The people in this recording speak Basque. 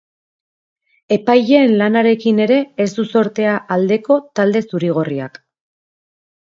Epaileen lanarekin ere ez du zortea aldeko talde zuri-gorriak.